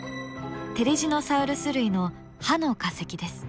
テリジノサウルス類の歯の化石です。